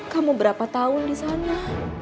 kamu berapa tahun disana